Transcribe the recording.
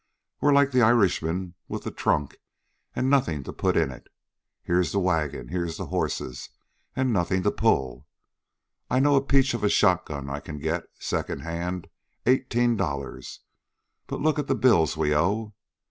"We're like the Irishman with the trunk an' nothin' to put in it. Here's the wagon, here's the horses, an' nothin' to pull. I know a peach of a shotgun I can get, second hand, eighteen dollars; but look at the bills we owe.